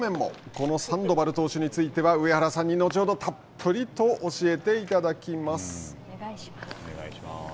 このサンドバル投手については上原さんに後ほどたっぷりと教えていただきます。